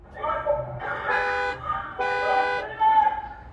o پر ټول جهان دا ټپه پورته ښه ده ـ